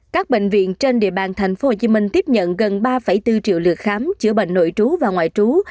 các bệnh viện trên địa bàn tp hcm tiếp nhận gần ba bốn triệu lượt khám chữa bệnh nội trú và ngoại trú